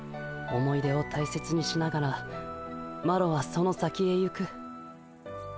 思い出を大切にしながらマロはその先へ行く。